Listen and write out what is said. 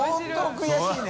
蠹悔しいね。